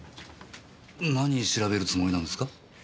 何調べるつもりなんですか？